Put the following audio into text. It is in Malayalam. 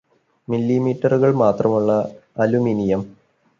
മില്ലിമീറ്ററുകൾ മാത്രമുള്ള അലുമിനിയം